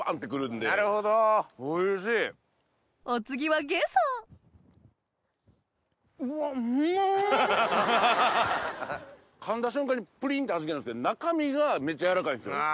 噛んだ瞬間にプリンってはじけるんですけど中身がめっちゃ柔らかいんですよね。